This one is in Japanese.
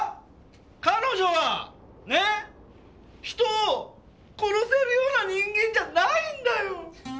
彼女はねえ人を殺せるような人間じゃないんだよ！